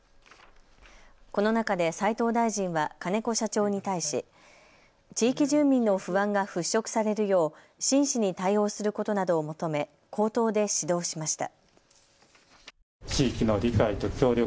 この中で斉藤大臣は金子社長に対し地域住民の不安が払拭されるよう真摯に対応することなどを求め口頭で指導しました。